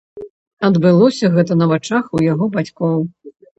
Адбылося гэта на вачах у яго бацькоў.